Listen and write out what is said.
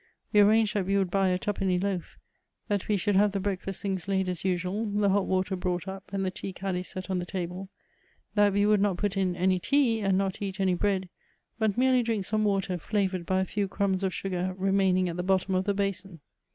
We arranged that we would buy a two penny loaf; that we should have the breakfast things laid as usual, the hot water brought up, and the tea caddy set on the table ; that we would not put in any tea, and not eat any bread, but merely drink some water flavoured by a few crumbs of sugar remaiiiing at the bottom of the basin.